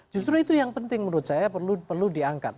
justru itu yang penting menurut saya perlu diangkat